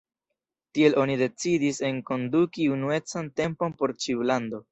Tiel oni decidis enkonduki unuecan tempon por ĉiu lando.